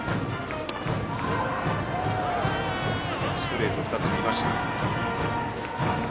ストレート、２つ見ました。